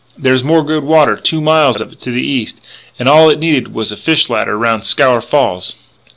There's more good water two miles of it to the east, and all it needed was a fish ladder around Scaur Falls.